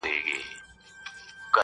د قدرت گيند چي به خوشي پر ميدان سو!!